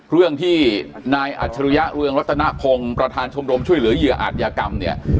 เรื่องที่นายอัจฉริยะเรืองรัตนพงศ์ประธานชมรมช่วยเหลือเหยื่ออาจยากรรมเนี่ย